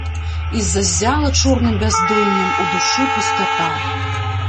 І заззяла чорным бяздоннем у душы пустата.